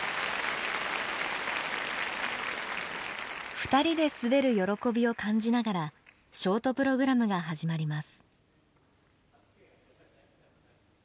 ２人で滑る喜びを感じながらショートプログラムが始まります。